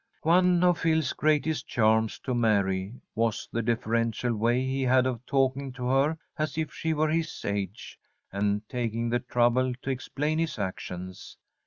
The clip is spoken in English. One of Phil's greatest charms to Mary was the deferential way he had of talking to her as if she were his age, and taking the trouble to explain his actions.